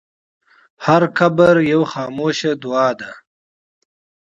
هر قبر یوه خاموشه دعا ده.